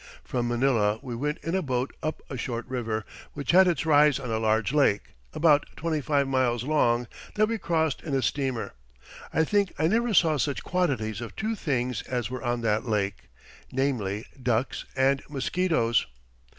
"From Manila we went in a boat up a short river, which had its rise in a large lake, about twenty five miles long, that we crossed in a steamer. I think I never saw such quantities of two things as were on that lake namely, ducks and mosquitoes.